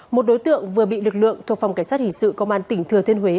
một đối tượng vừa bị lực lượng thuộc phòng cảnh sát hình sự công an tỉnh